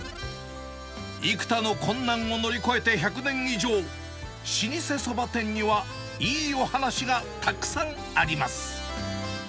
幾多の困難を乗り越えて１００年以上、老舗そば店には、いいお話がたくさんあります。